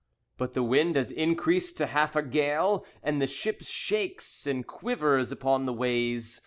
But the wind has increased to half a gale, And the ship shakes and quivers upon the ways.